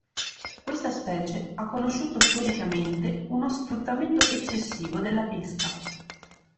Questa specie ha conosciuto storicamente uno sfruttamento eccessivo della pesca.